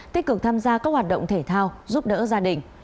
tích cực tham gia các hoạt động thể thao giúp đỡ gia đình